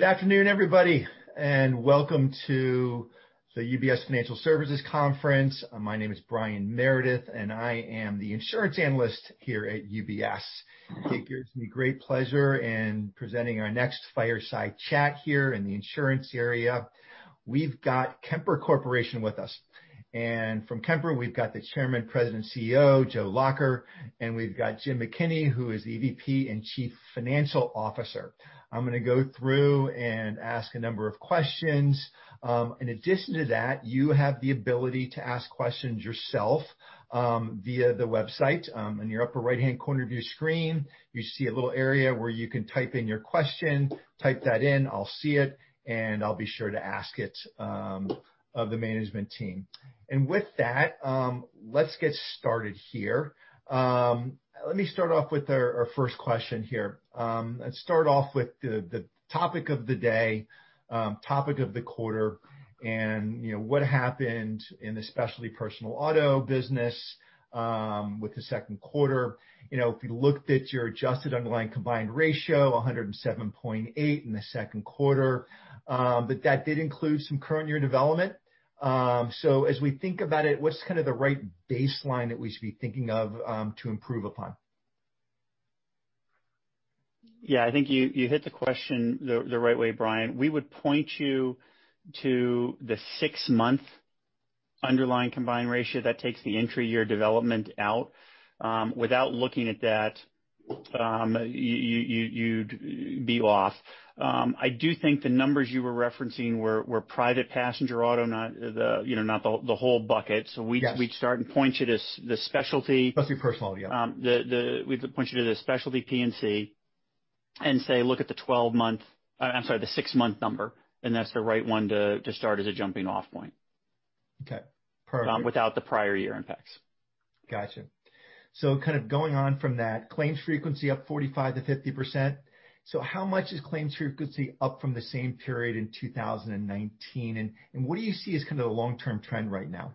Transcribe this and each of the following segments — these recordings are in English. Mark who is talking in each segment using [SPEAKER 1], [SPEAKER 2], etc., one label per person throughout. [SPEAKER 1] Good afternoon, everybody, welcome to the UBS Financial Services Conference. My name is Brian Meredith, and I am the insurance analyst here at UBS. It gives me great pleasure in presenting our next fireside chat here in the insurance area. We've got Kemper Corporation with us. From Kemper, we've got the Chairman, President, CEO, Joe Lacher, and we've got Jim McKinney, who is EVP and Chief Financial Officer. I'm going to go through and ask a number of questions. In addition to that, you have the ability to ask questions yourself via the website. In your upper right-hand corner of your screen, you see a little area where you can type in your question. Type that in, I'll see it, and I'll be sure to ask it of the management team. With that, let's get started here. Let me start off with our first question here. Let's start off with the topic of the day, topic of the quarter, what happened in the specialty personal auto business with the second quarter. If you looked at your adjusted underlying combined ratio, 107.8 in the second quarter. That did include some intra-year development. As we think about it, what's the right baseline that we should be thinking of to improve upon?
[SPEAKER 2] I think you hit the question the right way, Brian. We would point you to the six-month underlying combined ratio that takes the intra-year development out. Without looking at that, you'd be off. I do think the numbers you were referencing were private passenger auto, not the whole bucket.
[SPEAKER 1] Yes.
[SPEAKER 2] We'd start and point you to the specialty-
[SPEAKER 1] Specialty personal, yeah
[SPEAKER 2] We'd point you to the Specialty P&C and say, look at the 12-month-- I'm sorry, the six-month number, and that's the right one to start as a jumping-off point.
[SPEAKER 1] Okay, perfect.
[SPEAKER 2] Without the prior year impacts.
[SPEAKER 1] Going on from that, claims frequency up 45%-50%. How much is claims frequency up from the same period in 2019, and what do you see as the long-term trend right now?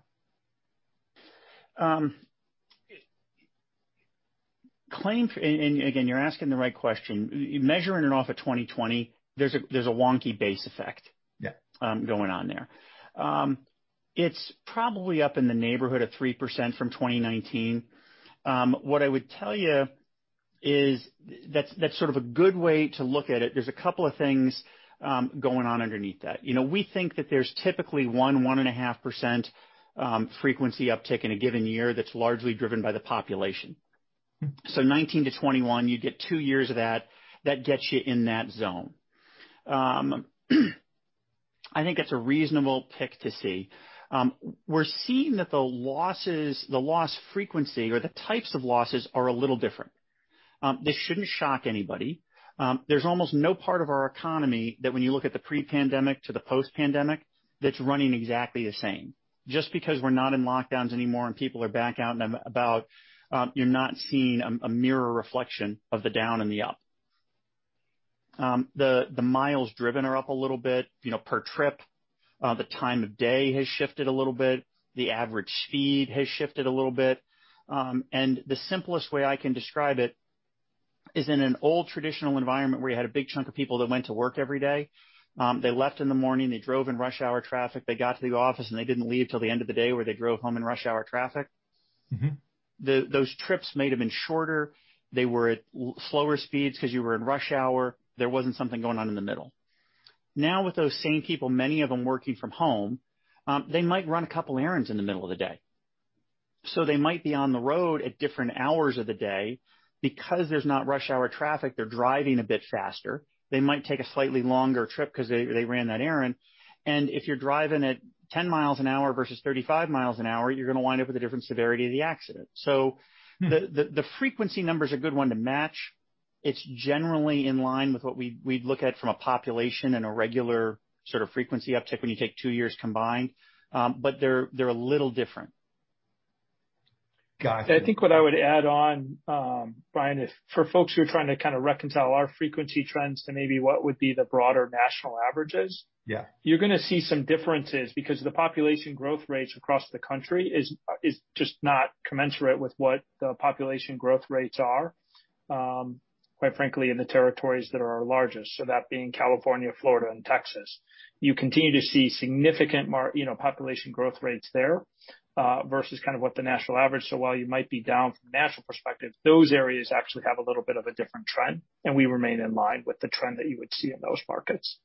[SPEAKER 2] Again, you're asking the right question. Measuring it off of 2020, there's a wonky base effect-
[SPEAKER 1] Yeah
[SPEAKER 2] going on there. It's probably up in the neighborhood of 3% from 2019. What I would tell you is that's a good way to look at it. There's a couple of things going on underneath that. We think that there's typically one and a half % frequency uptick in a given year that's largely driven by the population. 2019 to 2021, you get two years of that gets you in that zone. I think that's a reasonable tick to see. We're seeing that the loss frequency or the types of losses are a little different. This shouldn't shock anybody. There's almost no part of our economy that when you look at the pre-pandemic to the post-pandemic, that's running exactly the same. Just because we're not in lockdowns anymore and people are back out and about, you're not seeing a mirror reflection of the down and the up. The miles driven are up a little bit per trip. The time of day has shifted a little bit. The average speed has shifted a little bit. The simplest way I can describe it is in an old traditional environment where you had a big chunk of people that went to work every day. They left in the morning, they drove in rush hour traffic, they got to the office, they didn't leave till the end of the day, where they drove home in rush hour traffic. Those trips might have been shorter. They were at slower speeds because you were in rush hour. There wasn't something going on in the middle. With those same people, many of them working from home, they might run a couple errands in the middle of the day. They might be on the road at different hours of the day. There's not rush hour traffic, they're driving a bit faster. They might take a slightly longer trip because they ran that errand. If you're driving at 10 miles an hour versus 35 miles an hour, you're going to wind up with a different severity of the accident. The frequency number is a good one to match. It's generally in line with what we'd look at from a population and a regular frequency uptick when you take two years combined. They're a little different.
[SPEAKER 1] Got you.
[SPEAKER 3] I think what I would add on, Brian, is for folks who are trying to reconcile our frequency trends to maybe what would be the broader national averages-
[SPEAKER 1] Yeah
[SPEAKER 3] you're going to see some differences because the population growth rates across the country are just not commensurate with what the population growth rates are, quite frankly, in the territories that are our largest. That being California, Florida, and Texas. You continue to see significant population growth rates there versus what the national average. While you might be down from a national perspective, those areas actually have a little bit of a different trend, and we remain in line with the trend that you would see in those markets.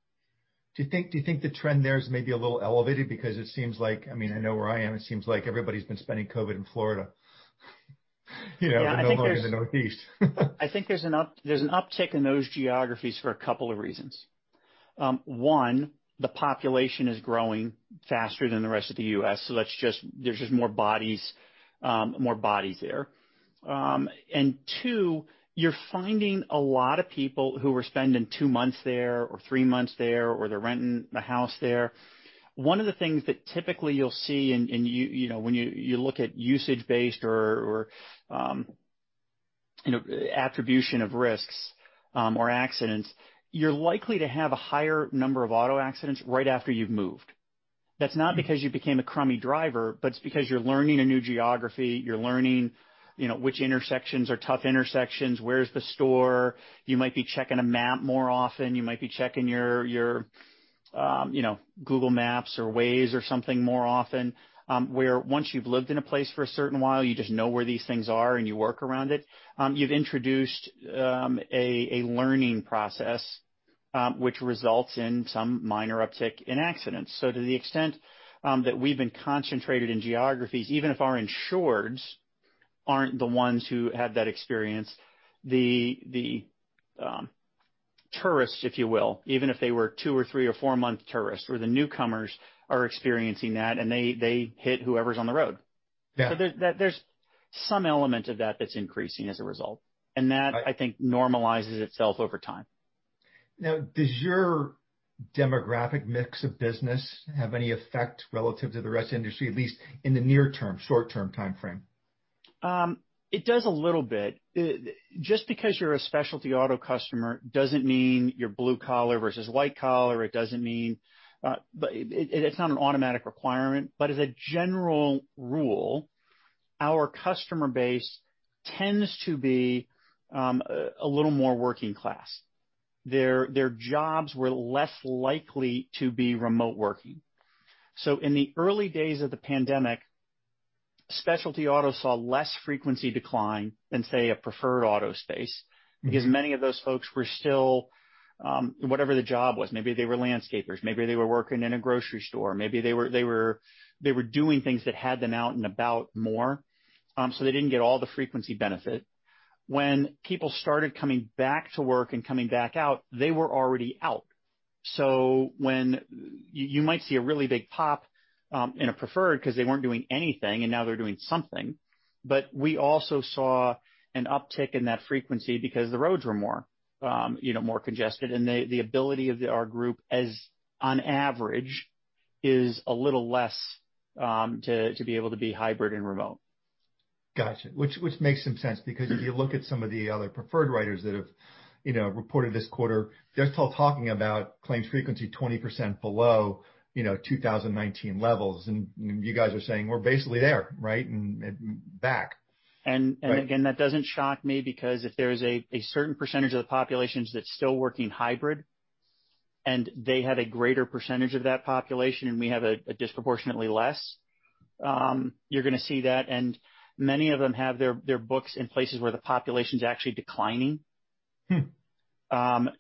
[SPEAKER 1] Do you think the trend there is maybe a little elevated because it seems like, I know where I am, it seems like everybody's been spending COVID in Florida than nowhere in the Northeast.
[SPEAKER 2] I think there's an uptick in those geographies for a couple of reasons. One, the population is growing faster than the rest of the U.S., there's just more bodies there. Two, you're finding a lot of people who are spending two months there or three months there, or they're renting a house there. One of the things that typically you'll see when you look at usage-based or attribution of risks or accidents, you're likely to have a higher number of auto accidents right after you've moved. That's not because you became a crummy driver, but it's because you're learning a new geography. You're learning which intersections are tough intersections. Where's the store? You might be checking a map more often. You might be checking your Google Maps or Waze or something more often, where once you've lived in a place for a certain while, you just know where these things are, and you work around it. You've introduced a learning process, which results in some minor uptick in accidents. To the extent that we've been concentrated in geographies, even if our insureds aren't the ones who have that experience, the tourists, if you will, even if they were two or three or four-month tourists or the newcomers are experiencing that, and they hit whoever's on the road.
[SPEAKER 1] Yeah.
[SPEAKER 2] there's some element of that that's increasing as a result. That I think normalizes itself over time.
[SPEAKER 1] Does your demographic mix of business have any effect relative to the rest of the industry, at least in the near term, short-term timeframe?
[SPEAKER 2] It does a little bit. Just because you're a specialty auto customer doesn't mean you're blue collar versus white collar. It's not an automatic requirement. As a general rule, our customer base tends to be a little more working class. Their jobs were less likely to be remote working. In the early days of the pandemic, specialty auto saw less frequency decline than, say, a Preferred Auto space because many of those folks were still, whatever the job was, maybe they were landscapers. Maybe they were working in a grocery store. Maybe they were doing things that had them out and about more. They didn't get all the frequency benefit. When people started coming back to work and coming back out, they were already out. You might see a really big pop in a preferred because they weren't doing anything, and now they're doing something. We also saw an uptick in that frequency because the roads were more congested, and the ability of our group, as on average, is a little less to be able to be hybrid and remote.
[SPEAKER 1] Got you. Which makes some sense because if you look at some of the other preferred writers that have reported this quarter, they're still talking about claims frequency 20% below 2019 levels. You guys are saying we're basically there, right, and back.
[SPEAKER 2] Again, that doesn't shock me because if there is a certain percentage of the population that's still working hybrid and they have a greater percentage of that population and we have a disproportionately less, you're going to see that. Many of them have their books in places where the population's actually declining. Fewer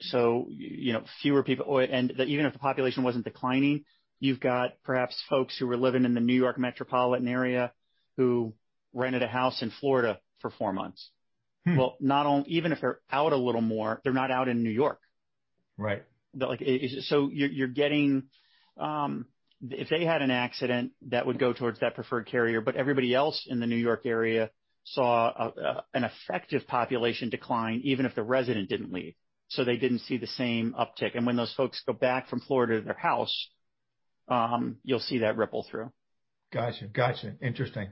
[SPEAKER 2] people. Even if the population wasn't declining, you've got perhaps folks who were living in the New York metropolitan area who rented a house in Florida for four months. Even if they're out a little more, they're not out in New York.
[SPEAKER 1] Right.
[SPEAKER 2] If they had an accident, that would go towards that preferred carrier. Everybody else in the N.Y. area saw an effective population decline, even if the resident didn't leave. They didn't see the same uptick. When those folks go back from Florida to their house, you'll see that ripple through.
[SPEAKER 1] Got you. Interesting.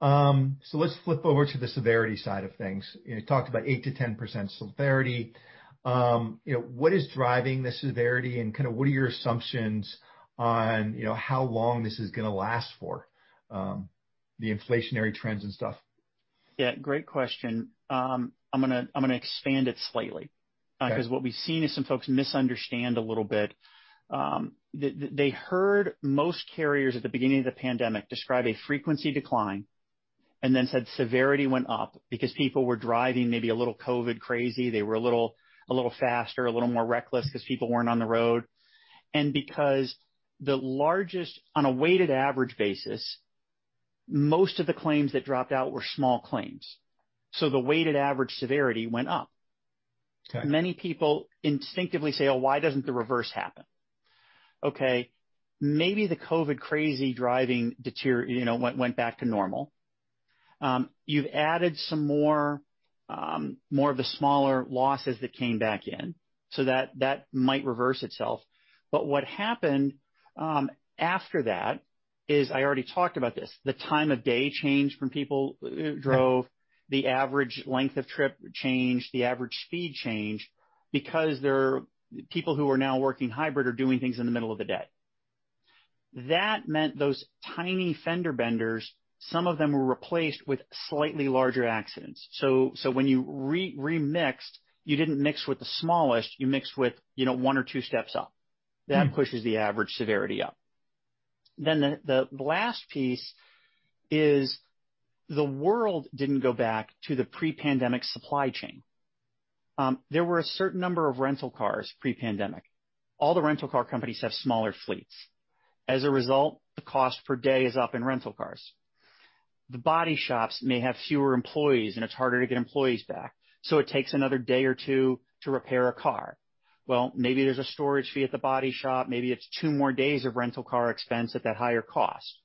[SPEAKER 1] Let's flip over to the severity side of things. You talked about 8%-10% severity. What is driving the severity, and what are your assumptions on how long this is going to last for the inflationary trends and stuff?
[SPEAKER 2] Yeah, great question. I'm going to expand it slightly because what we've seen is some folks misunderstand a little bit. They heard most carriers at the beginning of the pandemic describe a frequency decline and then said severity went up because people were driving maybe a little COVID crazy. They were a little faster, a little more reckless because people weren't on the road. Because the largest, on a weighted average basis, most of the claims that dropped out were small claims. The weighted average severity went up.
[SPEAKER 1] Okay.
[SPEAKER 2] Many people instinctively say, "Oh, why doesn't the reverse happen?" Okay, maybe the COVID crazy driving went back to normal. You've added some more of the smaller losses that came back in, that might reverse itself. What happened after that is I already talked about this. The time of day changed when people drove. The average length of trip changed. The average speed changed because people who are now working hybrid are doing things in the middle of the day. That meant those tiny fender benders, some of them were replaced with slightly larger accidents. When you remixed, you didn't mix with the smallest, you mixed with one or two steps up. That pushes the average severity up. The last piece is the world didn't go back to the pre-pandemic supply chain. There were a certain number of rental cars pre-pandemic. All the rental car companies have smaller fleets. As a result, the cost per day is up in rental cars. The body shops may have fewer employees, and it's harder to get employees back. It takes another day or two to repair a car. Maybe there's a storage fee at the body shop. Maybe it's two more days of rental car expense at that higher cost.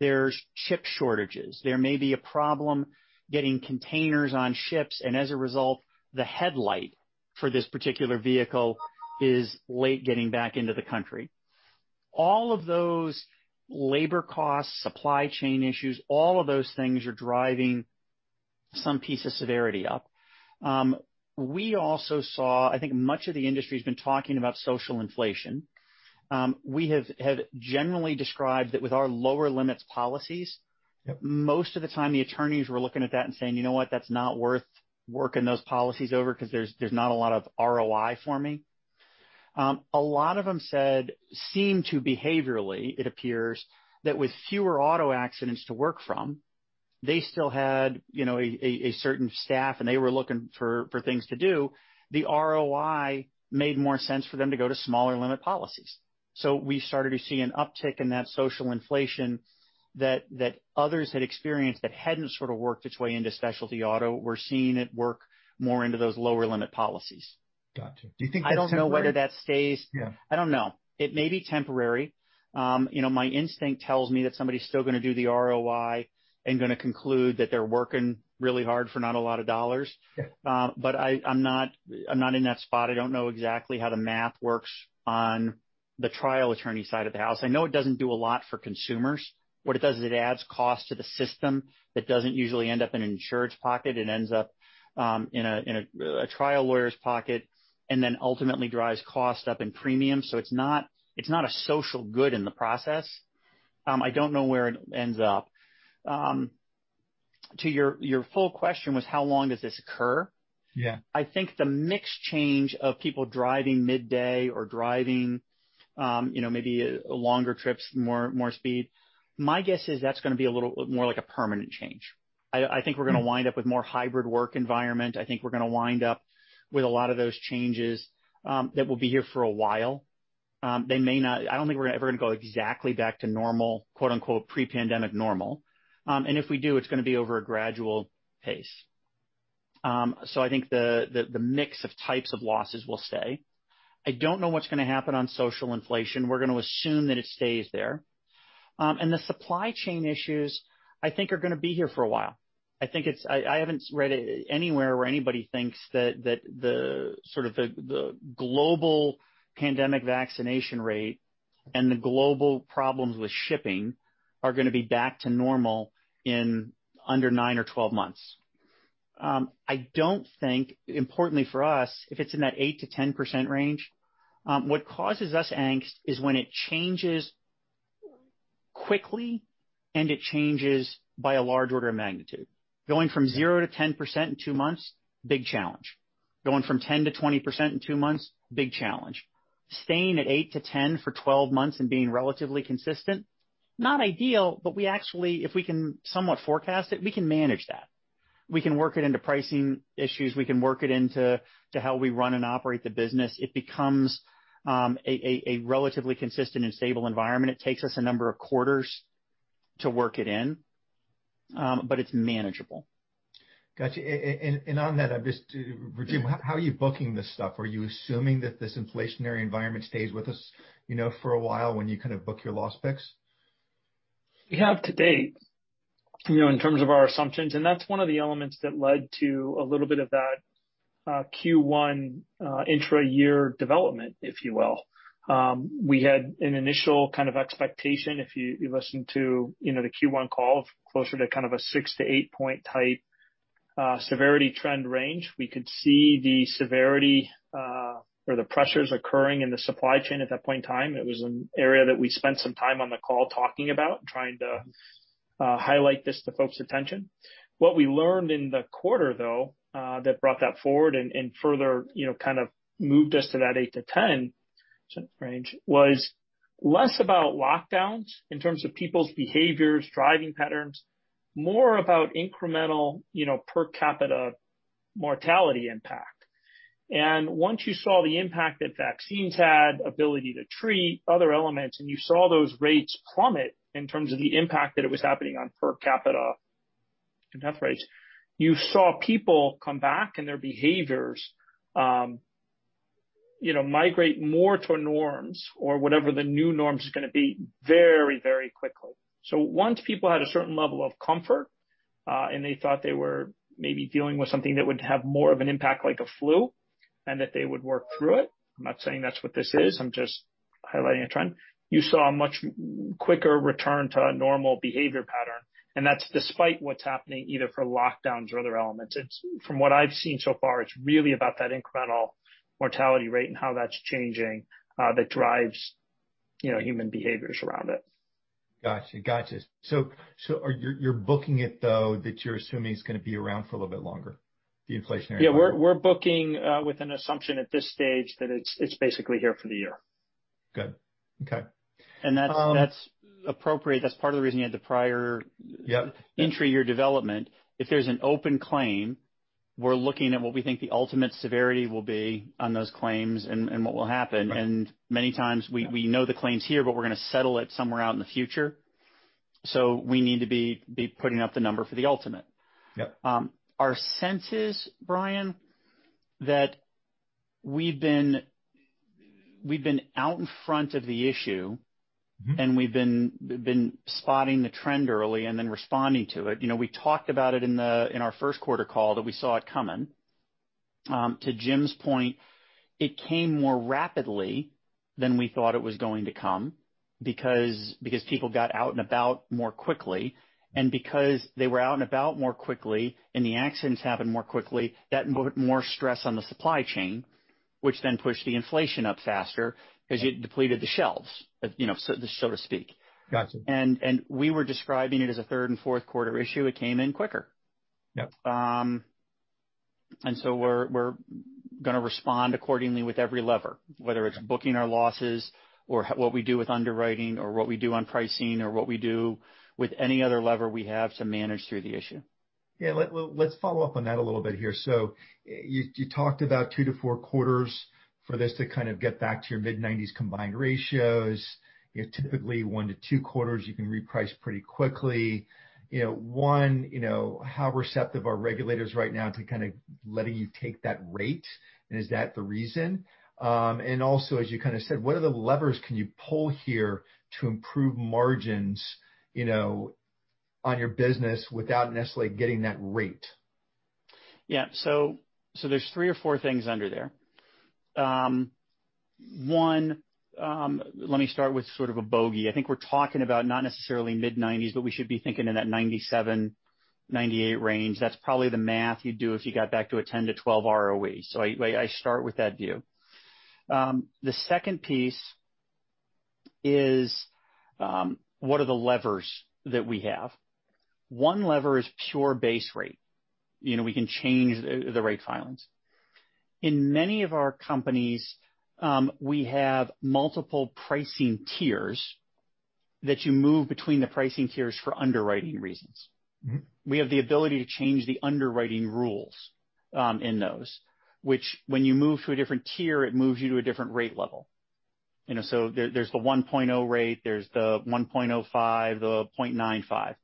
[SPEAKER 2] There's chip shortages. There may be a problem getting containers on ships, and as a result, the headlight for this particular vehicle is late getting back into the country. All of those labor costs, supply chain issues, all of those things are driving some piece of severity up. We also saw, I think much of the industry's been talking about social inflation. We have generally described that with our lower limits policies.
[SPEAKER 1] Yep
[SPEAKER 2] Most of the time the attorneys were looking at that and saying, "You know what? That's not worth working those policies over because there's not a lot of ROI for me." A lot of them said, seem to behaviorally, it appears that with fewer auto accidents to work from, they still had a certain staff, and they were looking for things to do. The ROI made more sense for them to go to smaller limit policies. We started to see an uptick in that social inflation that others had experienced that hadn't sort of worked its way into specialty auto. We're seeing it work more into those lower limit policies.
[SPEAKER 1] Got you. Do you think that's temporary?
[SPEAKER 2] I don't know whether that stays.
[SPEAKER 1] Yeah.
[SPEAKER 2] I don't know. It may be temporary. My instinct tells me that somebody's still going to do the ROI and going to conclude that they're working really hard for not a lot of dollars.
[SPEAKER 1] Yeah.
[SPEAKER 2] I'm not in that spot. I don't know exactly how the math works on the trial attorney side of the house. I know it doesn't do a lot for consumers. What it does is it adds cost to the system that doesn't usually end up in an insurance pocket. It ends up in a trial lawyer's pocket and then ultimately drives cost up in premium. It's not a social good in the process. I don't know where it ends up. To your full question was, how long does this occur?
[SPEAKER 1] Yeah.
[SPEAKER 2] I think the mix change of people driving midday or driving maybe longer trips, more speed, my guess is that's going to be a little more like a permanent change. I think we're going to wind up with more hybrid work environment. I think we're going to wind up with a lot of those changes that will be here for a while. I don't think we're ever going to go exactly back to normal, quote-unquote, pre-pandemic normal. If we do, it's going to be over a gradual pace. I think the mix of types of losses will stay. I don't know what's going to happen on social inflation. We're going to assume that it stays there. The supply chain issues, I think, are going to be here for a while. I haven't read anywhere where anybody thinks that the sort of the global pandemic vaccination rate and the global problems with shipping are going to be back to normal in under nine or 12 months. I don't think, importantly for us, if it's in that 8%-10% range, what causes us angst is when it changes quickly, and it changes by a large order of magnitude. Going from 0%-10% in two months, big challenge. Going from 10%-20% in two months, big challenge. Staying at 8 to 10 for 12 months and being relatively consistent, not ideal, but we actually, if we can somewhat forecast it, we can manage that. We can work it into pricing issues. We can work it into how we run and operate the business. It becomes a relatively consistent and stable environment. It takes us a number of quarters to work it in, but it's manageable.
[SPEAKER 1] On that, Rajeev, how are you booking this stuff? Are you assuming that this inflationary environment stays with us for a while when you kind of book your loss picks?
[SPEAKER 3] We have to date, in terms of our assumptions, That's one of the elements that led to a little bit of that Q1 intra-year development, if you will. We had an initial kind of expectation, if you listened to the Q1 call, closer to kind of a six to eight-point type severity trend range. We could see the severity or the pressures occurring in the supply chain at that point in time. It was an area that we spent some time on the call talking about, trying to highlight this to folks' attention. What we learned in the quarter, though, that brought that forward and further kind of moved us to that eight to 10 range was less about lockdowns in terms of people's behaviors, driving patterns, more about incremental per capita mortality impact. Once you saw the impact that vaccines had, ability to treat other elements, You saw those rates plummet in terms of the impact that it was happening on per capita death rates, you saw people come back and their behaviors migrate more to norms or whatever the new norms going to be very quickly. Once people had a certain level of comfort and they thought they were maybe dealing with something that would have more of an impact, like a flu, and that they would work through it, I'm not saying that's what this is, I'm just highlighting a trend. You saw a much quicker return to a normal behavior pattern, That's despite what's happening either for lockdowns or other elements. From what I've seen so far, it's really about that incremental mortality rate and how that's changing that drives human behaviors around it.
[SPEAKER 1] Got you. You're booking it, though, that you're assuming it's going to be around for a little bit longer, the inflationary?
[SPEAKER 3] Yeah. We're booking with an assumption at this stage that it's basically here for the year.
[SPEAKER 1] Good. Okay.
[SPEAKER 2] That's appropriate. That's part of the reason you had.
[SPEAKER 1] Yep
[SPEAKER 2] intra-year development. If there's an open claim, we're looking at what we think the ultimate severity will be on those claims and what will happen.
[SPEAKER 1] Right.
[SPEAKER 2] Many times, we know the claim's here, but we're going to settle it somewhere out in the future. We need to be putting up the number for the ultimate.
[SPEAKER 1] Yep.
[SPEAKER 2] Our sense is, Brian, that we've been out in front of the issue. We've been spotting the trend early and then responding to it. We talked about it in our first quarter call that we saw it coming. To Jim's point, it came more rapidly than we thought it was going to come because people got out and about more quickly, and because they were out and about more quickly, and the accidents happened more quickly, that put more stress on the supply chain, which then pushed the inflation up faster because it depleted the shelves, so to speak.
[SPEAKER 1] Got you.
[SPEAKER 2] We were describing it as a third and fourth quarter issue. It came in quicker.
[SPEAKER 1] Yep.
[SPEAKER 2] We're going to respond accordingly with every lever, whether it's booking our losses or what we do with underwriting or what we do on pricing or what we do with any other lever we have to manage through the issue.
[SPEAKER 1] Yeah. Let's follow up on that a little bit here. You talked about two to four quarters for this to kind of get back to your mid-90s combined ratios. Typically, one to two quarters you can reprice pretty quickly. One, how receptive are regulators right now to kind of letting you take that rate? Is that the reason? Also, as you said, what other levers can you pull here to improve margins on your business without necessarily getting that rate?
[SPEAKER 2] Yeah. There's three or four things under there. One, let me start with sort of a bogey. I think we're talking about not necessarily mid-90s, but we should be thinking in that 97, 98 range. That's probably the math you'd do if you got back to a 10 to 12 ROE. I start with that view. The second piece is what are the levers that we have? One lever is pure base rate. We can change the rate filings. In many of our companies, we have multiple pricing tiers that you move between the pricing tiers for underwriting reasons. We have the ability to change the underwriting rules in those, which when you move to a different tier, it moves you to a different rate level. There's the 1.0 rate, there's the 1.05, the 0.95,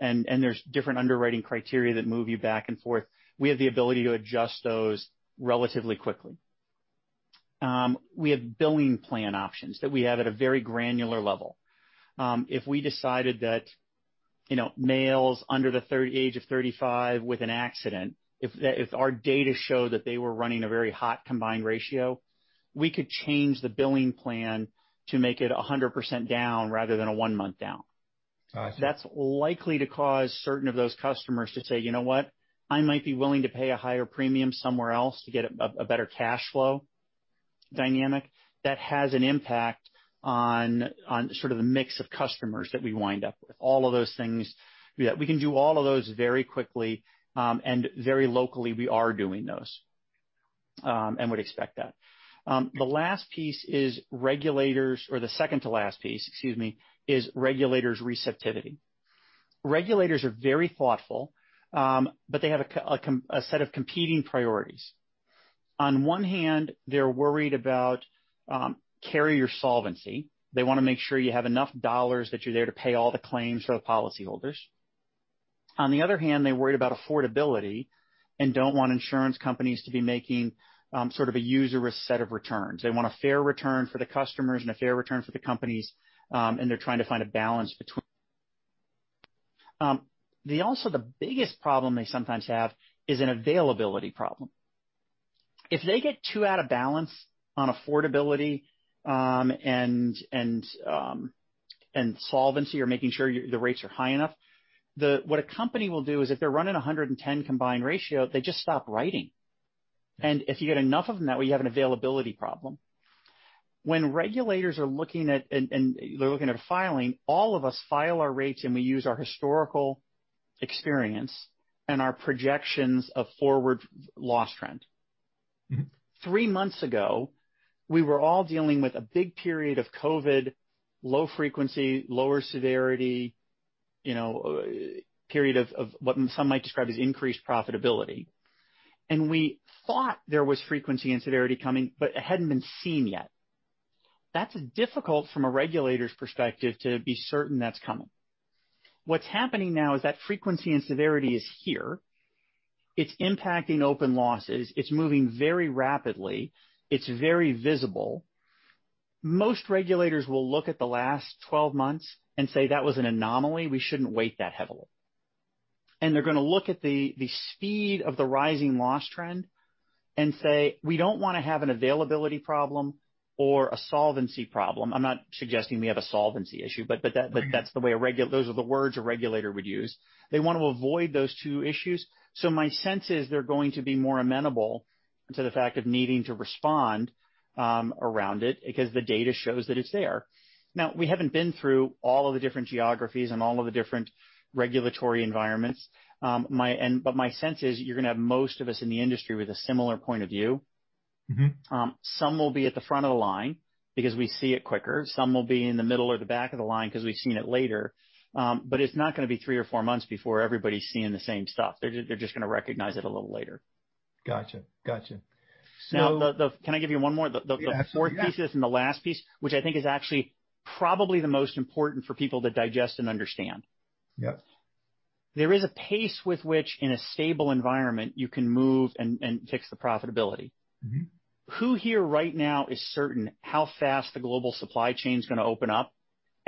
[SPEAKER 2] and there's different underwriting criteria that move you back and forth. We have the ability to adjust those relatively quickly. We have billing plan options that we have at a very granular level. If we decided that males under the age of 35 with an accident, if our data show that they were running a very hot combined ratio, we could change the billing plan to make it 100% down rather than a one-month down.
[SPEAKER 1] Got you.
[SPEAKER 2] That's likely to cause certain of those customers to say, "You know what? I might be willing to pay a higher premium somewhere else to get a better cash flow dynamic." That has an impact on sort of the mix of customers that we wind up with. All of those things, we can do all of those very quickly, and very locally, we are doing those, and would expect that. The last piece is regulators, or the second to last piece, excuse me, is regulators' receptivity. Regulators are very thoughtful, but they have a set of competing priorities. On one hand, they're worried about carrier solvency. They want to make sure you have enough dollars, that you're there to pay all the claims for the policyholders. On the other hand, they're worried about affordability and don't want insurance companies to be making sort of a usurious set of returns. They want a fair return for the customers and a fair return for the companies, and they're trying to find a balance between. The biggest problem they sometimes have is an availability problem. If they get too out of balance on affordability and solvency, or making sure the rates are high enough, what a company will do is if they're running 110 combined ratio, they just stop writing. If you get enough of them that way, you have an availability problem. When regulators are looking at a filing, all of us file our rates, and we use our historical experience and our projections of forward loss trend. Three months ago, we were all dealing with a big period of COVID, low frequency, lower severity, period of what some might describe as increased profitability. We thought there was frequency and severity coming, but it hadn't been seen yet. That's difficult from a regulator's perspective to be certain that's coming. What's happening now is that frequency and severity is here. It's impacting open losses. It's moving very rapidly. It's very visible. Most regulators will look at the last 12 months and say, "That was an anomaly. We shouldn't weight that heavily." They're going to look at the speed of the rising loss trend and say, "We don't want to have an availability problem or a solvency problem." I'm not suggesting we have a solvency issue, but those are the words a regulator would use. They want to avoid those two issues. My sense is they're going to be more amenable to the fact of needing to respond around it because the data shows that it's there. Now, we haven't been through all of the different geographies and all of the different regulatory environments. My sense is you're going to have most of us in the industry with a similar point of view. Some will be at the front of the line because we see it quicker. Some will be in the middle or the back of the line because we've seen it later. It's not going to be three or four months before everybody's seeing the same stuff. They're just going to recognize it a little later.
[SPEAKER 1] Got you.
[SPEAKER 2] Can I give you one more?
[SPEAKER 1] Yeah, absolutely. Yeah.
[SPEAKER 2] The fourth piece is, the last piece, which I think is actually probably the most important for people to digest and understand.
[SPEAKER 1] Yep.
[SPEAKER 2] There is a pace with which in a stable environment you can move and fix the profitability. Who here right now is certain how fast the global supply chain's going to open up?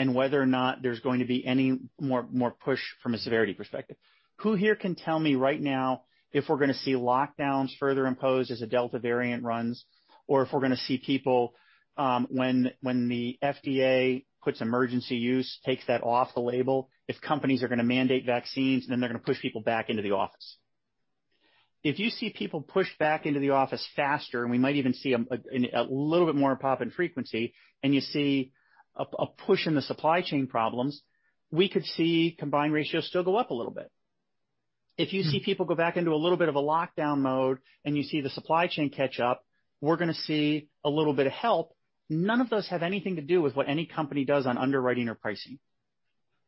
[SPEAKER 2] Whether or not there's going to be any more push from a severity perspective. Who here can tell me right now if we're going to see lockdowns further imposed as a Delta variant runs, or if we're going to see people, when the FDA quits emergency use, takes that off the label, if companies are going to mandate vaccines, then they're going to push people back into the office. If you see people push back into the office faster, and we might even see a little bit more pop in frequency, and you see a push in the supply chain problems, we could see combined ratios still go up a little bit. If you see people go back into a little bit of a lockdown mode and you see the supply chain catch up, we're going to see a little bit of help. None of those have anything to do with what any company does on underwriting or pricing.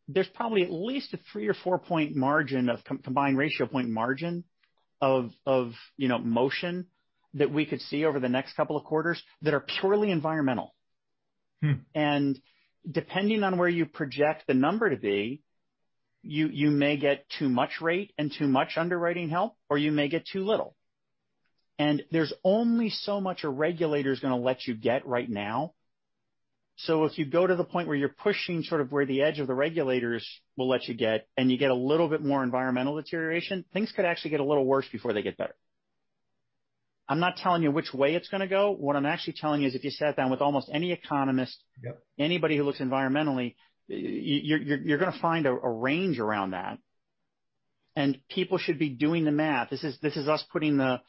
[SPEAKER 2] There's probably at least a three or four-point margin of combined ratio point margin of motion that we could see over the next couple of quarters that are purely environmental. Depending on where you project the number to be, you may get too much rate and too much underwriting help, or you may get too little. There's only so much a regulator is going to let you get right now. If you go to the point where you're pushing sort of where the edge of the regulators will let you get, and you get a little bit more environmental deterioration, things could actually get a little worse before they get better. I'm not telling you which way it's going to go. What I'm actually telling you is if you sat down with almost any economist
[SPEAKER 1] Yep
[SPEAKER 2] anybody who looks environmentally, you're going to find a range around that. People should be doing the math. This is us putting the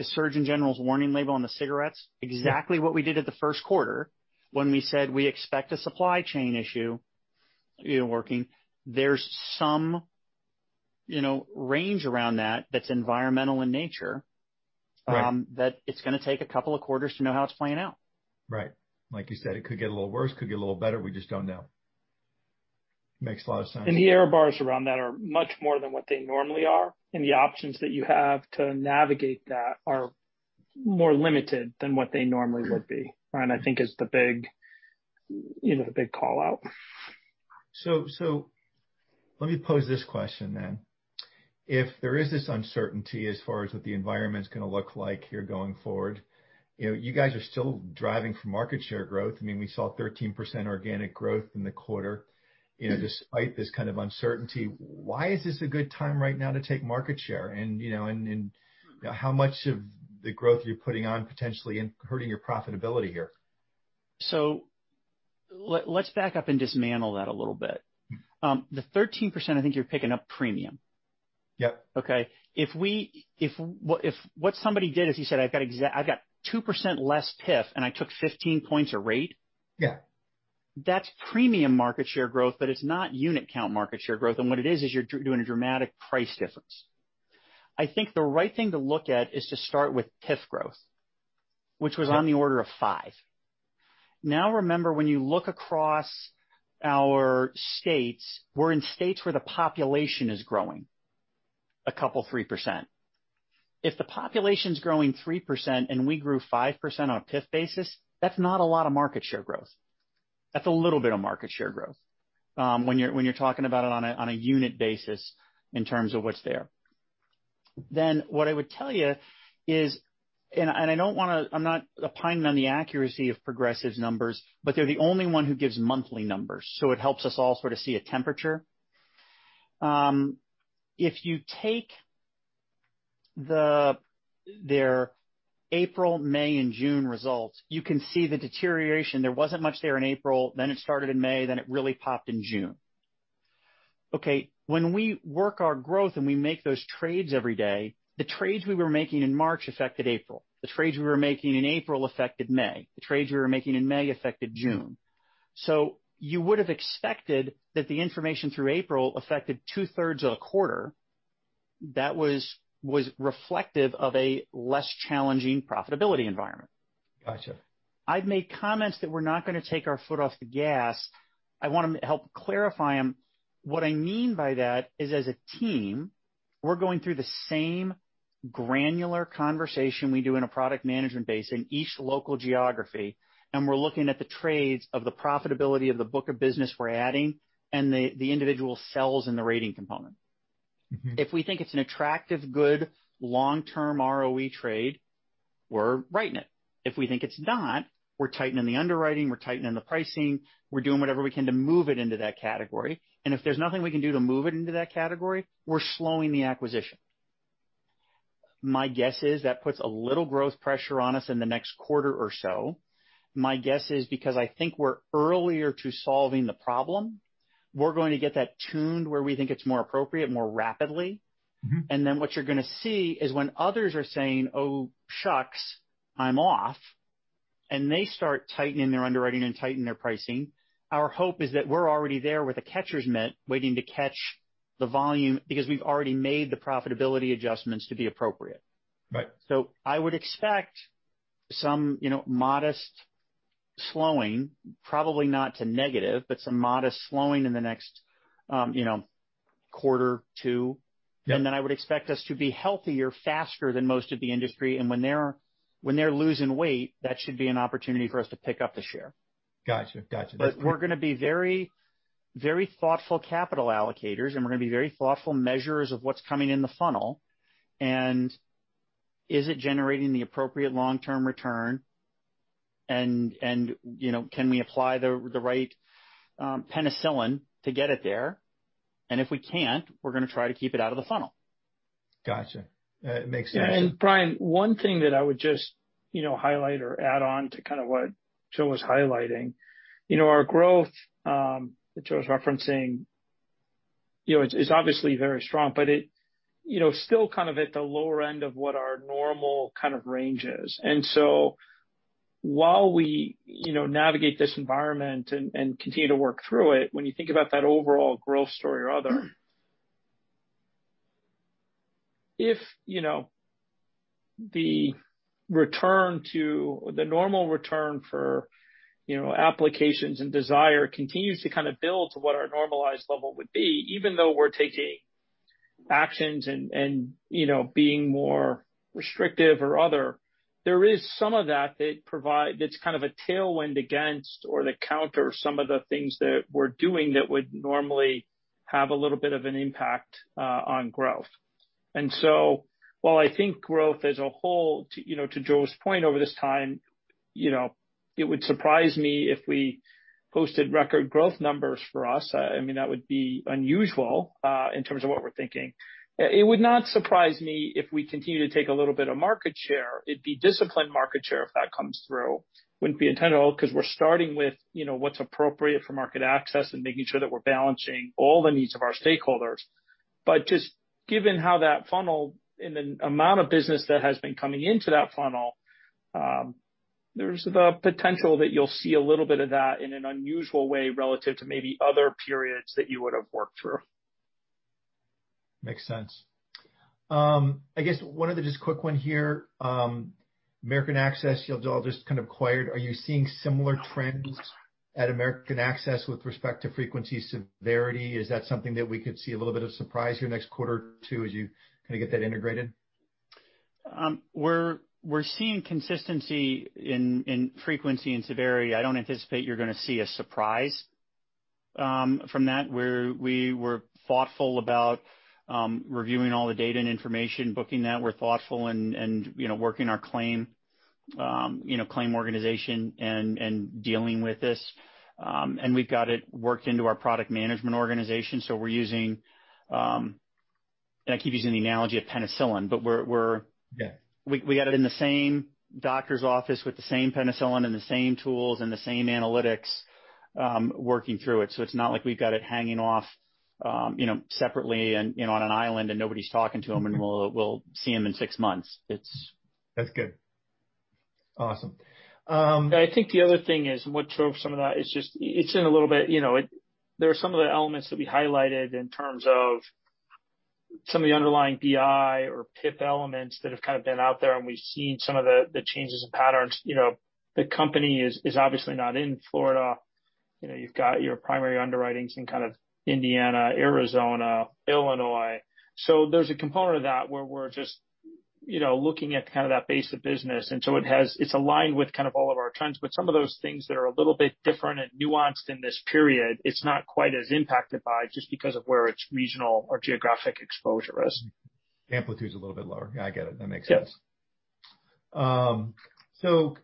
[SPEAKER 2] surgeon general's warning label on the cigarettes. Exactly what we did at the first quarter when we said we expect a supply chain issue working. There's some range around that that's environmental in nature-
[SPEAKER 1] Right
[SPEAKER 2] that it's going to take a couple of quarters to know how it's playing out.
[SPEAKER 1] Right. Like you said, it could get a little worse, could get a little better. We just don't know. Makes a lot of sense.
[SPEAKER 3] The error bars around that are much more than what they normally are, and the options that you have to navigate that are more limited than what they normally would be, and I think is the big call out.
[SPEAKER 1] Let me pose this question then. If there is this uncertainty as far as what the environment's going to look like here going forward, you guys are still driving for market share growth. We saw 13% organic growth in the quarter despite this kind of uncertainty. Why is this a good time right now to take market share, and how much of the growth you're putting on potentially hurting your profitability here?
[SPEAKER 2] Let's back up and dismantle that a little bit. The 13%, I think you're picking up premium.
[SPEAKER 1] Yep.
[SPEAKER 2] Okay. What somebody did is he said, "I've got 2% less PIF, and I took 15 points of rate.
[SPEAKER 1] Yeah.
[SPEAKER 2] That's premium market share growth, but it's not unit count market share growth. What it is is you're doing a dramatic price difference. I think the right thing to look at is to start with PIF growth, which was on the order of five. Remember, when you look across our states, we're in states where the population is growing a couple, 3%. If the population's growing 3% and we grew 5% on a PIF basis, that's not a lot of market share growth. That's a little bit of market share growth, when you're talking about it on a unit basis in terms of what's there. What I would tell you is, and I'm not opining on the accuracy of Progressive's numbers, but they're the only one who gives monthly numbers, so it helps us all sort of see a temperature. If you take their April, May, and June results, you can see the deterioration. It wasn't much there in April. It started in May. It really popped in June. Okay. When we work our growth and we make those trades every day, the trades we were making in March affected April. The trades we were making in April affected May. The trades we were making in May affected June. You would have expected that the information through April affected two-thirds of the quarter that was reflective of a less challenging profitability environment.
[SPEAKER 1] Got you.
[SPEAKER 2] I've made comments that we're not going to take our foot off the gas. I want to help clarify them. What I mean by that is, as a team, we're going through the same granular conversation we do in a product management base in each local geography, and we're looking at the trades of the profitability of the book of business we're adding and the individual sells in the rating component. If we think it's an attractive, good long-term ROE trade, we're writing it. If we think it's not, we're tightening the underwriting, we're tightening the pricing, we're doing whatever we can to move it into that category. If there's nothing we can do to move it into that category, we're slowing the acquisition. My guess is that puts a little growth pressure on us in the next quarter or so. My guess is because I think we're earlier to solving the problem, we're going to get that tuned where we think it's more appropriate more rapidly. What you're going to see is when others are saying, "Oh, shucks, I'm off," and they start tightening their underwriting and tighten their pricing, our hope is that we're already there with a catcher's mitt waiting to catch the volume because we've already made the profitability adjustments to be appropriate.
[SPEAKER 1] Right.
[SPEAKER 2] I would expect some modest slowing, probably not to negative, but some modest slowing in the next quarter, two.
[SPEAKER 1] Yeah.
[SPEAKER 2] I would expect us to be healthier faster than most of the industry. When they're losing weight, that should be an opportunity for us to pick up the share.
[SPEAKER 1] Got you.
[SPEAKER 2] We're going to be very thoughtful capital allocators, we're going to be very thoughtful measurers of what's coming in the funnel. Is it generating the appropriate long-term return? Can we apply the right penicillin to get it there? If we can't, we're going to try to keep it out of the funnel.
[SPEAKER 1] Got you. That makes sense.
[SPEAKER 3] Brian, one thing that I would just highlight or add on to kind of what Joe was highlighting. Our growth that Joe's referencing, it's obviously very strong, but it's still kind of at the lower end of what our normal kind of range is. While we navigate this environment and continue to work through it, when you think about that overall growth story or other, if the normal return for applications and desire continues to kind of build to what our normalized level would be, even though we're taking actions and being more restrictive or other, there is some of that that's kind of a tailwind against or that counter some of the things that we're doing that would normally have a little bit of an impact on growth. While I think growth as a whole, to Joe's point, over this time, it would surprise me if we posted record growth numbers for us. I mean, that would be unusual in terms of what we're thinking. It would not surprise me if we continue to take a little bit of market share. It'd be disciplined market share if that comes through. Wouldn't be intentional because we're starting with what's appropriate for market access and making sure that we're balancing all the needs of our stakeholders. Just given how that funnel and the amount of business that has been coming into that funnel, there's the potential that you'll see a little bit of that in an unusual way relative to maybe other periods that you would have worked through.
[SPEAKER 1] Makes sense. I guess one other just quick one here. American Access, you all just kind of acquired. Are you seeing similar trends at American Access with respect to frequency severity? Is that something that we could see a little bit of surprise here next quarter too, as you kind of get that integrated?
[SPEAKER 2] We're seeing consistency in frequency and severity. I don't anticipate you're going to see a surprise from that. We were thoughtful about reviewing all the data and information, booking that. We've got it worked into our product management organization, so we're using I keep using the analogy of penicillin, but we got it in the same doctor's office with the same penicillin and the same tools and the same analytics working through it. It's not like we've got it hanging off separately and on an island and nobody's talking to them, and we'll see them in six months.
[SPEAKER 1] That's good. Awesome.
[SPEAKER 3] I think the other thing is, what Joe some of that is just, There are some of the elements that we highlighted in terms of some of the underlying BI or PIP elements that have kind of been out there, and we've seen some of the changes in patterns. The company is obviously not in Florida. You've got your primary underwriting some kind of Indiana, Arizona, Illinois. There's a component of that where we're just looking at kind of that base of business. It's aligned with kind of all of our trends, but some of those things that are a little bit different and nuanced in this period, it's not quite as impacted by just because of where its regional or geographic exposure is.
[SPEAKER 1] Amplitude's a little bit lower. Yeah, I get it. That makes sense.
[SPEAKER 3] Yes.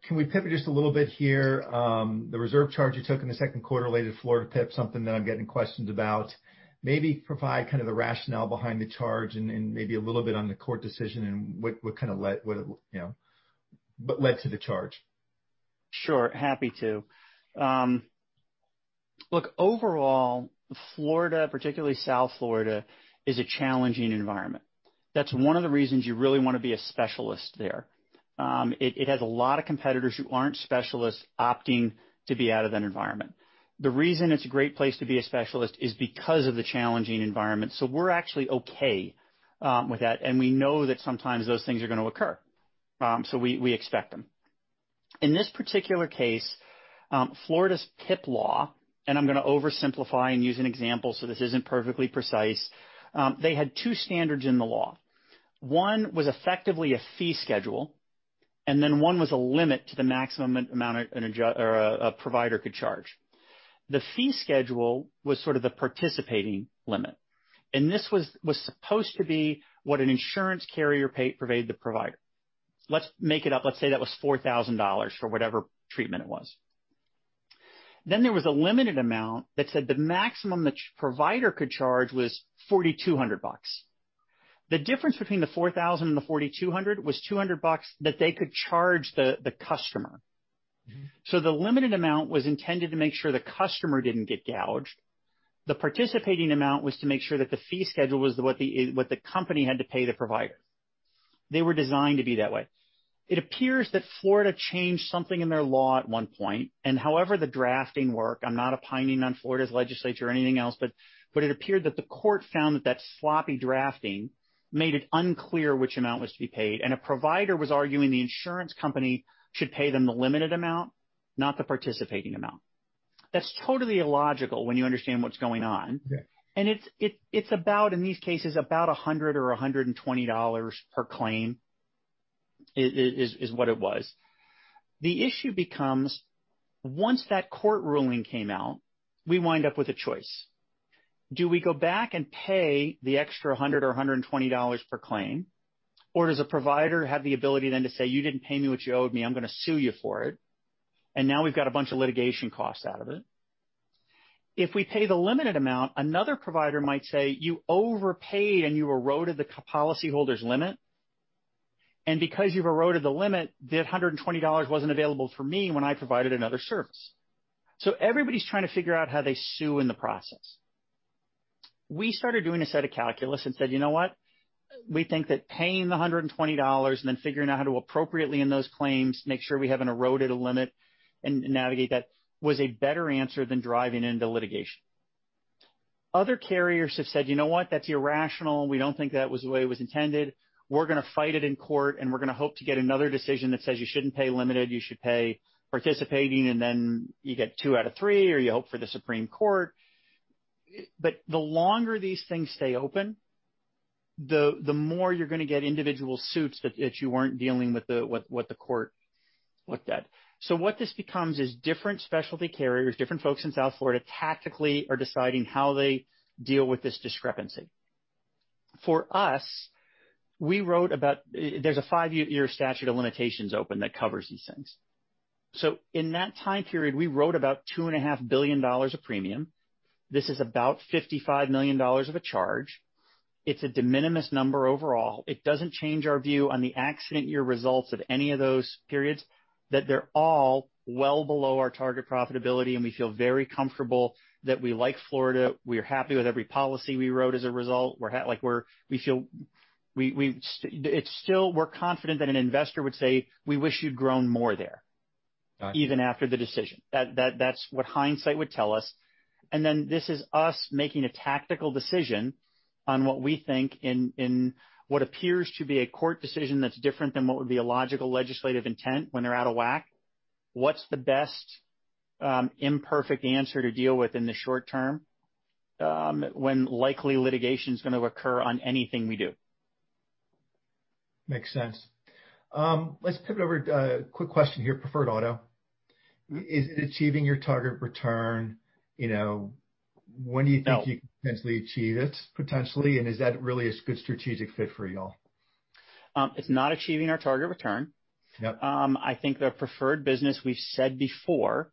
[SPEAKER 1] Can we pivot just a little bit here? The reserve charge you took in the second quarter related to Florida PIP, something that I'm getting questions about. Maybe provide kind of the rationale behind the charge and maybe a little bit on the court decision and what led to the charge.
[SPEAKER 2] Sure, happy to. Look, overall, Florida, particularly South Florida, is a challenging environment. That's one of the reasons you really want to be a specialist there. It has a lot of competitors who aren't specialists opting to be out of that environment. The reason it's a great place to be a specialist is because of the challenging environment. We're actually okay with that, and we know that sometimes those things are going to occur. We expect them. In this particular case, Florida's PIP law, and I'm going to oversimplify and use an example, this isn't perfectly precise. They had two standards in the law. One was effectively a fee schedule, and then one was a limit to the maximum amount a provider could charge. The fee schedule was sort of the participating limit, and this was supposed to be what an insurance carrier paid the provider. Let's make it up. Let's say that was $4,000 for whatever treatment it was. There was a limited amount that said the maximum the provider could charge was $4,200. The difference between the $4,000 and the $4,200 was $200 that they could charge the customer. The limited amount was intended to make sure the customer didn't get gouged. The participating amount was to make sure that the fee schedule was what the company had to pay the provider. They were designed to be that way. It appears that Florida changed something in their law at one point. However the drafting worked, I'm not opining on Florida's legislature or anything else, but it appeared that the court found that that sloppy drafting made it unclear which amount was to be paid. A provider was arguing the insurance company should pay them the limited amount, not the participating amount. That's totally illogical when you understand what's going on.
[SPEAKER 1] Yeah.
[SPEAKER 2] It's about, in these cases, about $100 or $120 per claim is what it was. The issue becomes, once that court ruling came out, we wind up with a choice. Do we go back and pay the extra $100 or $120 per claim? Or does a provider have the ability then to say, "You didn't pay me what you owed me, I'm going to sue you for it." Now we've got a bunch of litigation costs out of it. If we pay the limited amount, another provider might say, "You overpaid and you eroded the policy holder's limit. Because you've eroded the limit, that $120 wasn't available for me when I provided another service." Everybody's trying to figure out how they sue in the process. We started doing a set of calculus and said, you know what? We think that paying the $120 and then figuring out how to appropriately in those claims, make sure we haven't eroded a limit and navigate that was a better answer than driving into litigation. Other carriers have said, "You know what? That's irrational. We don't think that was the way it was intended. We're going to fight it in court, and we're going to hope to get another decision that says you shouldn't pay limited, you should pay participating, and then you get two out of three, or you hope for the Supreme Court." The longer these things stay open, the more you're going to get individual suits that you weren't dealing with what the court looked at. What this becomes is different specialty carriers, different folks in South Florida tactically are deciding how they deal with this discrepancy. For us, there's a five-year statute of limitations open that covers these things. In that time period, we wrote about $2.5 billion of premium. This is about $55 million of a charge. It's a de minimis number overall. It doesn't change our view on the accident year results of any of those periods, that they're all well below our target profitability, and we feel very comfortable that we like Florida, we are happy with every policy we wrote as a result. We're confident that an investor would say, "We wish you'd grown more there.
[SPEAKER 1] Got you.
[SPEAKER 2] Even after the decision. That's what hindsight would tell us. This is us making a tactical decision on what we think in what appears to be a court decision that's different than what would be a logical legislative intent when they're out of whack. What's the best imperfect answer to deal with in the short term, when likely litigation is going to occur on anything we do.
[SPEAKER 1] Makes sense. Let's pivot over. Quick question here. Preferred Auto. Is it achieving your target return? When do you think-
[SPEAKER 2] No
[SPEAKER 1] You can potentially achieve it, potentially, and is that really a good strategic fit for you all?
[SPEAKER 2] It's not achieving our target return.
[SPEAKER 1] Yep.
[SPEAKER 2] I think the Preferred Auto business we've said before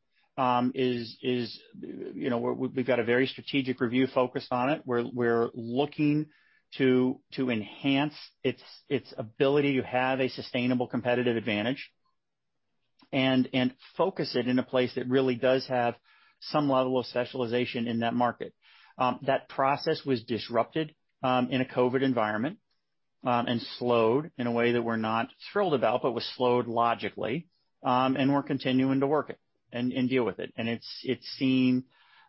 [SPEAKER 2] is we've got a very strategic review focus on it. We're looking to enhance its ability to have a sustainable competitive advantage and focus it in a place that really does have some level of specialization in that market. That process was disrupted in a COVID environment, and slowed in a way that we're not thrilled about, but was slowed logically. We're continuing to work it and deal with it. It's seen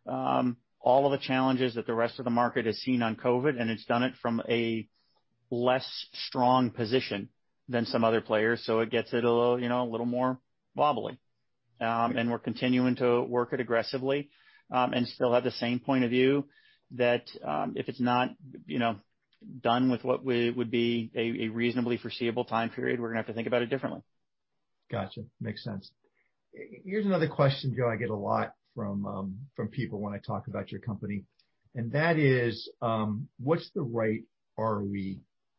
[SPEAKER 2] all of the challenges that the rest of the market has seen on COVID, and it's done it from a less strong position than some other players. It gets it a little more wobbly. We're continuing to work it aggressively, and still have the same point of view that if it's not done with what would be a reasonably foreseeable time period, we're going to have to think about it differently.
[SPEAKER 1] Got you. Makes sense. Here's another question, Joe, I get a lot from people when I talk about your company, and that is, what's the right ROE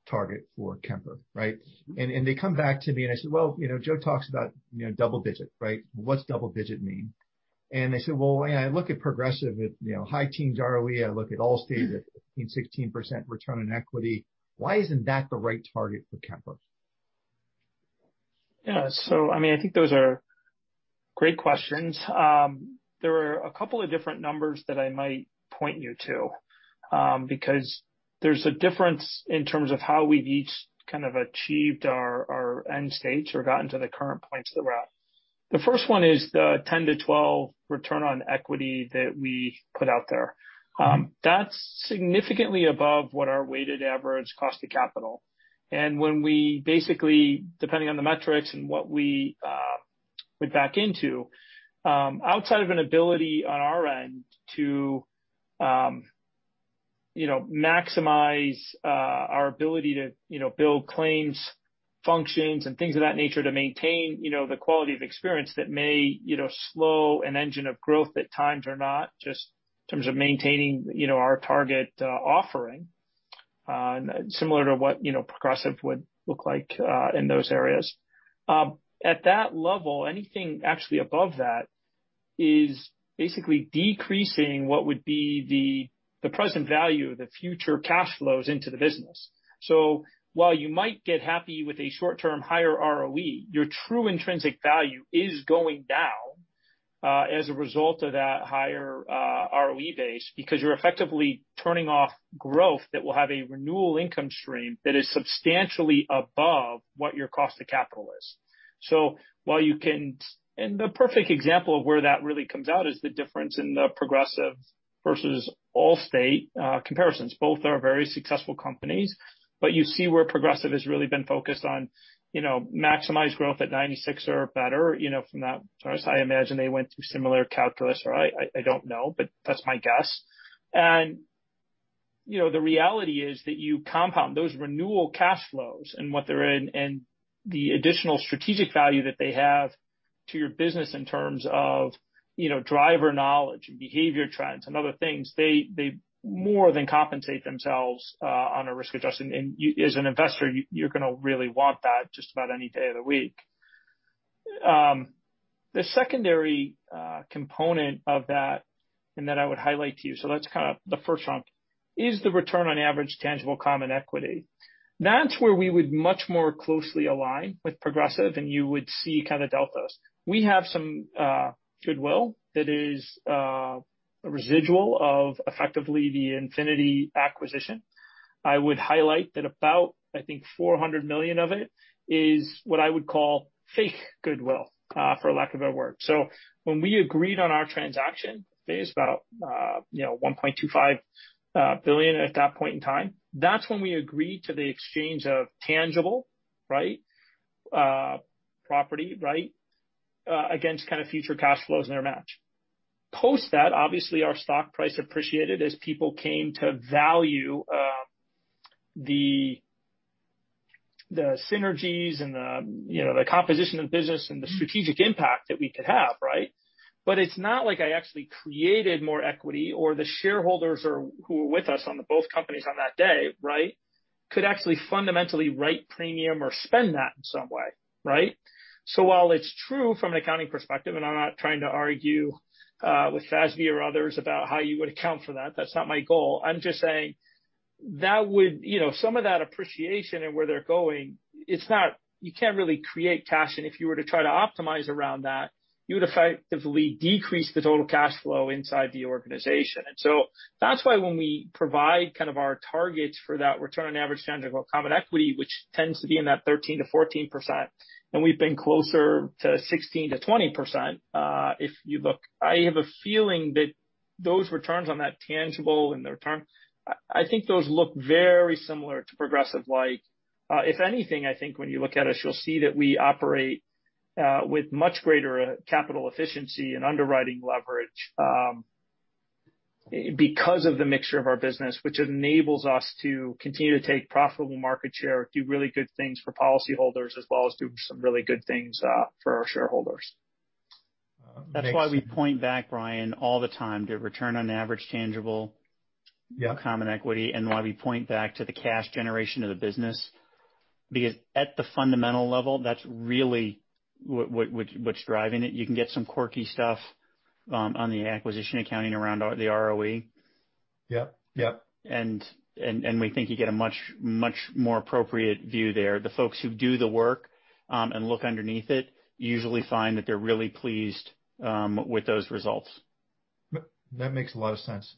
[SPEAKER 1] target for Kemper, right? They come back to me and I say, "Well, Joe talks about double digit, right? What's double digit mean?" They say, "Well, I look at Progressive at high teens ROE. I look at Allstate at 15%, 16% return on equity. Why isn't that the right target for Kemper?
[SPEAKER 3] Yeah. I think those are great questions. There are a couple of different numbers that I might point you to, because there's a difference in terms of how we've each kind of achieved our end state or gotten to the current points that we're at. The first one is the 10% to 12% return on equity that we put out there. That's significantly above what our weighted average cost of capital. When we basically, depending on the metrics and what we went back into, outside of an ability on our end to maximize our ability to build claims functions and things of that nature to maintain the quality of experience that may slow an engine of growth at times or not, just in terms of maintaining our target offering, similar to what Progressive would look like in those areas. At that level, anything actually above that is basically decreasing what would be the present value of the future cash flows into the business. While you might get happy with a short-term higher ROE, your true intrinsic value is going down as a result of that higher ROE base, because you're effectively turning off growth that will have a renewal income stream that is substantially above what your cost of capital is. The perfect example of where that really comes out is the difference in the Progressive versus Allstate comparisons. Both are very successful companies, but you see where Progressive has really been focused on maximize growth at 96% or better from that. I imagine they went through similar calculus, or I don't know, but that's my guess. The reality is that you compound those renewal cash flows and what they're in, and the additional strategic value that they have to your business in terms of driver knowledge and behavior trends and other things. They more than compensate themselves on a risk-adjusted. As an investor, you're going to really want that just about any day of the week. The secondary component of that and that I would highlight to you, that's kind of the first chunk, is the return on average tangible common equity. That's where we would much more closely align with Progressive and you would see kind of deltas. We have some goodwill that is a residual of effectively the Infinity acquisition. I would highlight that about, I think, $400 million of it is what I would call fake goodwill, for lack of a word. When we agreed on our transaction phase, about $1.25 billion at that point in time, that's when we agreed to the exchange of tangible property against future cash flows and their match. Post that, obviously, our stock price appreciated as people came to value the synergies and the composition of business and the strategic impact that we could have. It's not like I actually created more equity or the shareholders who were with us on both companies on that day could actually fundamentally write premium or spend that in some way. While it's true from an accounting perspective, and I'm not trying to argue with FASB or others about how you would account for that's not my goal. I'm just saying some of that appreciation and where they're going, you can't really create cash. If you were to try to optimize around that, you would effectively decrease the total cash flow inside the organization. That's why when we provide our targets for that return on average tangible common equity, which tends to be in that 13%-14%, we've been closer to 16%-20%, if you look, I have a feeling that those returns on that tangible and the return, I think those look very similar to Progressive. If anything, I think when you look at us, you'll see that we operate with much greater capital efficiency and underwriting leverage because of the mixture of our business, which enables us to continue to take profitable market share, do really good things for policyholders, as well as do some really good things for our shareholders.
[SPEAKER 2] That's why we point back, Brian, all the time to return on average tangible common equity and why we point back to the cash generation of the business. At the fundamental level, that's really what's driving it. You can get some quirky stuff on the acquisition accounting around the ROE.
[SPEAKER 1] Yep.
[SPEAKER 2] We think you get a much more appropriate view there. The folks who do the work and look underneath it usually find that they're really pleased with those results.
[SPEAKER 1] That makes a lot of sense.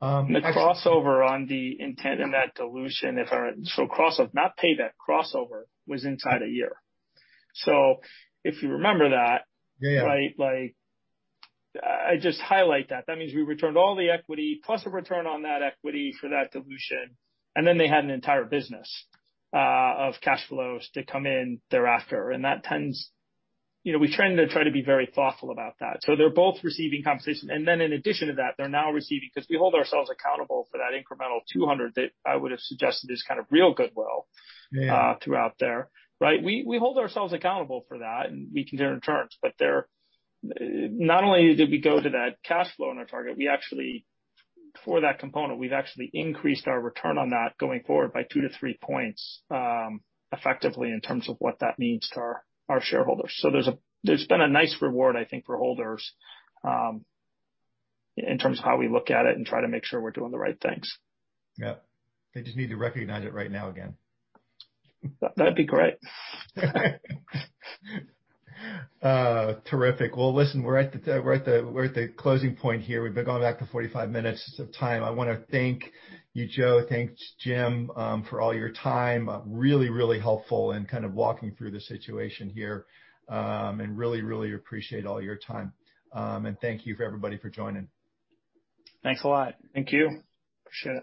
[SPEAKER 3] The crossover on the intent in that dilution, so crossover, not payback, crossover was inside a year.
[SPEAKER 1] Yeah.
[SPEAKER 3] I just highlight that. That means we returned all the equity plus a return on that equity for that dilution, and then they had an entire business of cash flows to come in thereafter. We tend to try to be very thoughtful about that. They're both receiving compensation. In addition to that, they're now receiving, because we hold ourselves accountable for that incremental $200 that I would've suggested is kind of real goodwill throughout there. We hold ourselves accountable for that, and we can return. Not only did we go to that cash flow in our target, for that component, we've actually increased our return on that going forward by 2-3 points, effectively, in terms of what that means to our shareholders. There's been a nice reward, I think, for holders in terms of how we look at it and try to make sure we're doing the right things.
[SPEAKER 1] Yeah. They just need to recognize it right now again.
[SPEAKER 3] That'd be great.
[SPEAKER 1] Terrific. Well, listen, we're at the closing point here. We've been going back to 45 minutes of time. I want to thank you, Joe, thanks, Jim, for all your time. Really helpful in kind of walking through the situation here. Really appreciate all your time. Thank you for everybody for joining.
[SPEAKER 2] Thanks a lot.
[SPEAKER 3] Thank you. Appreciate it.